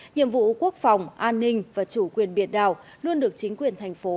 nhiệm vụ quốc phòng an ninh và chủ quyền biệt đảo luôn được chính quyền thành phố